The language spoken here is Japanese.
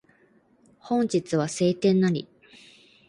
本日は晴天なり